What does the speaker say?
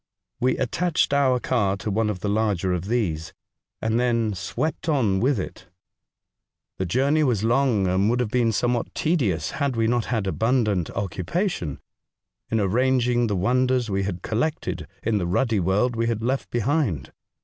We attached our car to one of the larger of these, and then swept on with it. 160 A Voyage to Other Worlds, The journey was long, and would have been somewhat tedious had we not had abundant occupation in arranging the wonders we had collected in the ruddy world we had left behind.